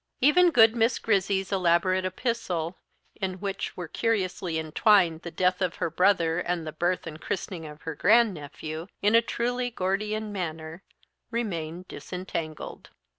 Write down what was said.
Even good Miss Grizzy's elaborate epistle, in which were curiously entwined the death of her brother and the birth and christening of her grand nephew, in a truly Gordian manner, remained disentangled.